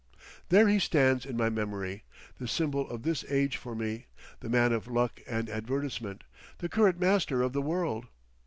There he stands in my memory, the symbol of this age for me, the man of luck and advertisement, the current master of the world.